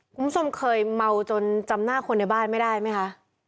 คุณผู้ชมเคยเมาจนจำหน้าคนในบ้านไม่ได้ไหมคะ